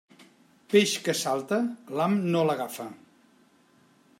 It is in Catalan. Peix que salta, l'ham no l'agafa.